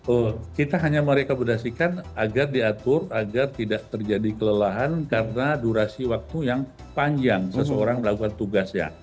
oh kita hanya merekomendasikan agar diatur agar tidak terjadi kelelahan karena durasi waktu yang panjang seseorang melakukan tugas ya